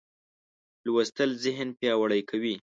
لوستل ذهن پیاوړی کوي.